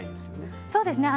そうですね